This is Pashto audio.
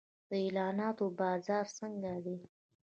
د اعلاناتو بازار څنګه دی؟